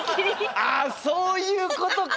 ああそういうことか！